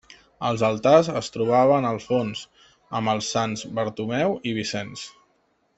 Els altars es trobaven al fons, amb els Sants Bartomeu i Vicenç.